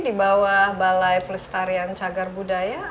di bawah balai pelestarian cagar budaya